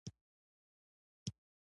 وادي د افغان کورنیو د دودونو مهم عنصر دی.